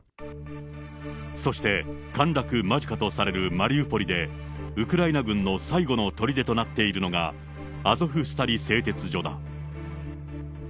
そして、陥落間近とされるマリウポリで、ウクライナ軍の最後のとりでとなっているのが、アゾフスタリ製鉄所だ。